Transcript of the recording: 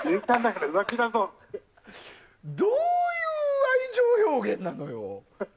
どういう愛情表現なのよ。